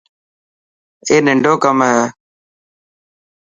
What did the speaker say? اي ننڊو ڪم هي.